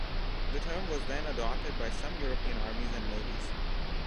The term was then adopted by some European armies and navies.